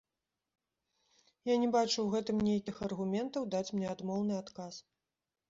Я не бачу ў гэтым нейкіх аргументаў даць мне адмоўны адказ.